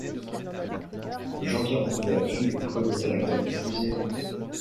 Jean-Pierre Bouvet fut le premier directeur du musée.